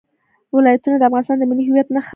ولایتونه د افغانستان د ملي هویت نښه ده.